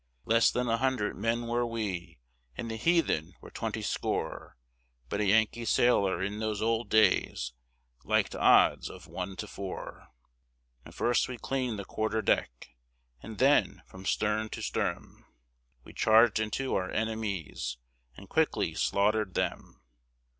Less than a hundred men were we, And the heathen were twenty score; But a Yankee sailor in those old days Liked odds of one to four. And first we cleaned the quarter deck, And then from stern to stem We charged into our enemies And quickly slaughtered them.